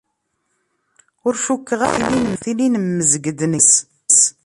Ur cukkeɣ ara tili nemmezg-d nekk yid-s.